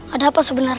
ada apa sebenarnya